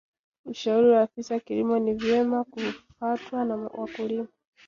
ushauri wa afisa kilimo ni vyema ukafatwa na wakulima